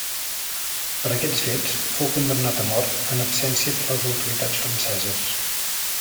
Per aquests fets fou condemnat a mort en absència per les autoritats franceses.